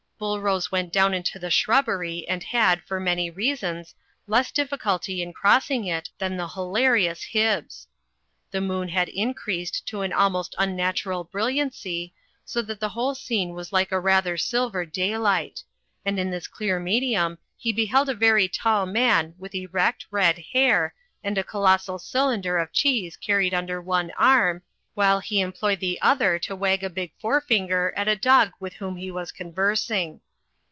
BuUrose went down into the shrubbery and had, for many reasons, less difficulty in crossing it than the hilarious Hibbs. The moon had increased to an almost unnatural brilliancy, so that the whole scene was like a rather silver daylight; and in this clear medium he beheld a very tall man with erect, red hair and a colos sal cylinder of cheese carried under one arm, while he employed the other to wag a big forefinger at a dog with whom he was conversing.